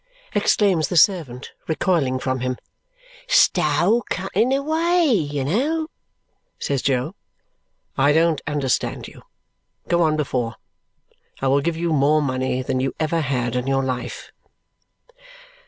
exclaims the servant, recoiling from him. "Stow cutting away, you know!" says Jo. "I don't understand you. Go on before! I will give you more money than you ever had in your life."